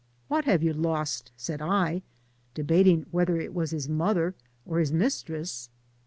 ^^ Who have you lost i^ said I, debating whether it was his mother w his mistress.